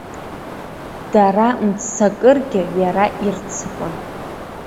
Дара мццакыргьы иара ирццакуан.